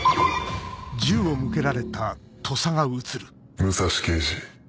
武蔵刑事。